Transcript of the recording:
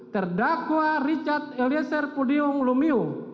terdakwa rijal elisir pudihang lumio